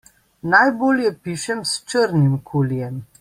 Najbolje pišem s črnim kulijem.